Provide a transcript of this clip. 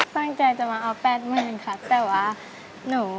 สร้างใจจะมาเอาแปดมือหนึ่งค่ะแต่ว่าหนู